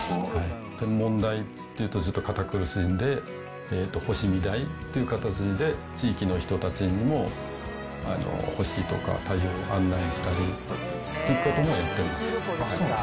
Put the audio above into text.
天文台っていうと、ちょっと堅苦しいんで、星見台っていう形で地域の人たちにも、星とか太陽を案内したりということもやっています。